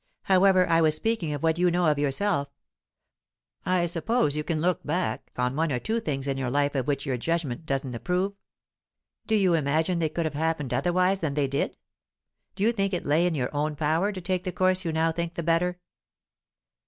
However, I was speaking of what you know of yourself. I suppose you can look back on one or two things in your life of which your judgment doesn't approve? Do you imagine they could have happened otherwise than they did? Do you think it lay in your own power to take the course you now think the better?"